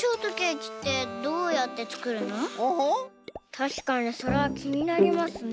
たしかにそれはきになりますね。